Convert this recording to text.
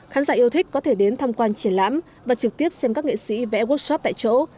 khán giả yêu thích có thể đến tham quan triển lãm và trực tiếp xem các nghệ sĩ vẽ workshop tại chỗ